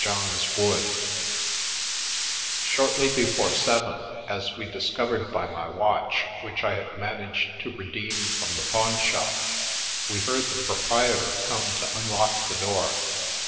JOHN'S WOOD SHORTLY before seven (as we discovered by my watch, which I had managed to redeem from the pawnshop) we heard the proprietor come to unlock the door.